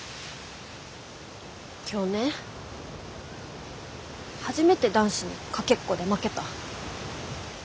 今日ね初めて男子にかけっこで負けた。